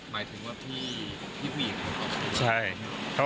หมายถึงพี่พี่หวีของเค้า